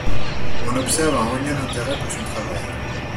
On observe un regain d'intérêt pour son travail.